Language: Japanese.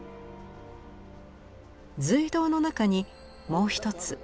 隧道の中にもう一つ